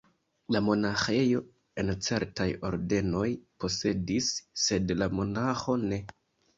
La monaĥejo, en certaj ordenoj, posedis, sed la monaĥo ne.